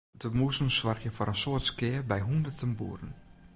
De mûzen soargje foar in soad skea by hûnderten boeren.